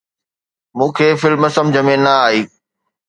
مون کي فلم سمجھ ۾ نه آئي